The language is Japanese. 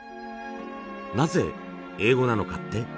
なぜ英語なのかって？